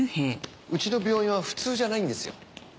うちの病院は普通じゃないんですよ。